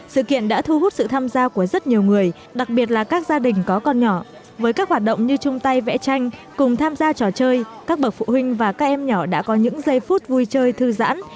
sự kiện đã thu hút sự tham gia của rất nhiều người đặc biệt là các gia đình có con nhỏ với các hoạt động như chung tay vẽ tranh cùng tham gia trò chơi các bậc phụ huynh và các em nhỏ đã có những giây phút vui chơi thư giãn